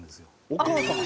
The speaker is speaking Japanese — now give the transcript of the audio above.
お母さん？